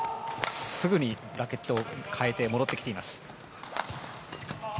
すぐにラケットを替えて戻ってきています。